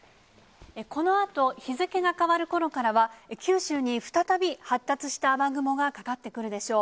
このあと日付が変わるころからは、九州に再び発達した雨雲がかかってくるでしょう。